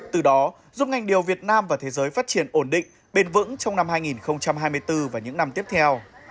từ đó giúp ngành điều việt nam và thế giới phát triển ổn định bền vững trong năm hai nghìn hai mươi bốn và những năm tiếp theo